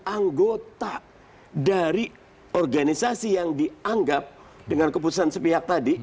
anggota dari organisasi yang dianggap dengan keputusan sepihak tadi